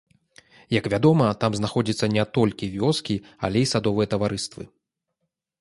Як вядома, там знаходзяцца не толькі вёскі, але і садовыя таварыствы.